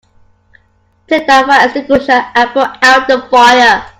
Take that fire extinguisher and put out the fire!